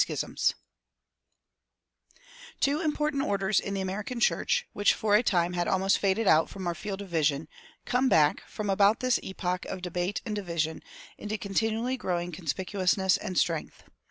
Two important orders in the American church, which for a time had almost faded out from our field of vision, come back, from about this epoch of debate and division, into continually growing conspicuousness and strength.